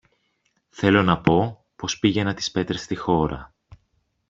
Θέλω να πω, πως πήγαινα τις πέτρες στη χώρα